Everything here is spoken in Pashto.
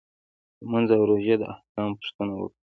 لمونځ او روژې د احکامو پوښتنه وکړي.